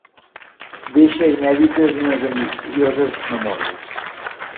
Deixà inèdites unes ambicioses memòries.